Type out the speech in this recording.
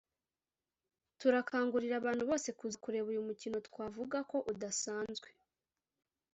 turakangurira abantu bose kuza kureba uyu mukino twavuga ko udasanzwe